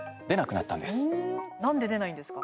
なんで出ないんですか？